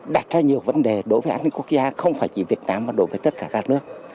đặt ra nhiều vấn đề đối với an ninh quốc gia không phải chỉ việt nam mà đối với tất cả các nước